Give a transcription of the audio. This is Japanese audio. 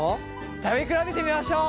食べ比べてみましょう。